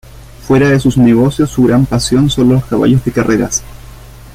Fuera de sus negocios su gran pasión son los caballos de carreras.